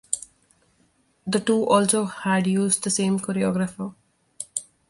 The two also had used the same choreographer.